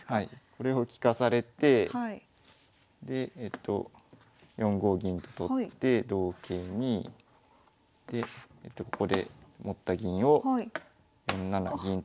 これを利かされてでえっと４五銀と取って同桂にでここで持った銀を４七銀と。